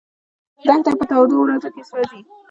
دښته په تودو ورځو کې سوځي.